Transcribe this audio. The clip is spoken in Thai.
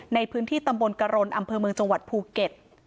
ในพื้นที่ตำบลกรณอำเภอเมืองจังหวัดภูเก็ต